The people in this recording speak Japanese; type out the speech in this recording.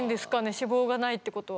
脂肪がないってことは。